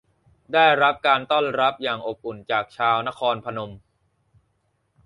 ได้รับการต้อนรับอย่างอบอุ่นจากชาวนครพนม